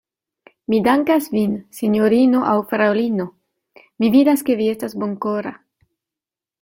Mi dankas vin, sinjorino aŭ fraŭlino; mi vidas, ke vi estas bonkora.